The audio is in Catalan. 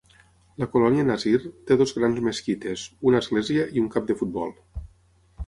La colònia Nasir té dues grans mesquites, una església i un camp de futbol.